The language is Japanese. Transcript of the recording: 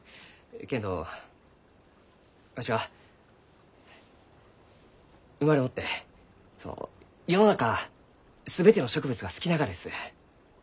けんどわしは生まれもってその世の中全ての植物が好きながです。